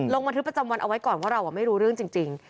ลงบันทึกประจำวันเอาไว้ก่อนว่าเราไม่รู้เรื่องจริง